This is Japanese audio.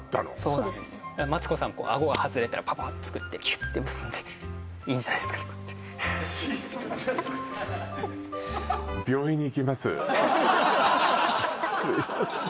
そうなんですよマツコさんアゴが外れたらパパッと作ってキュッて結んでいいんじゃないすかねこうやって・いいんじゃすいません